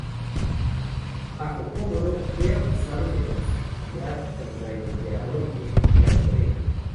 Bajo Cómodo, fue acusado de conspirar contra el emperador y ejecutado por ello.